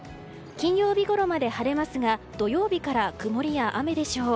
金曜日ごろまで晴れますが土曜日から曇りや雨でしょう。